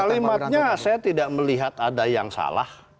kalimatnya saya tidak melihat ada yang salah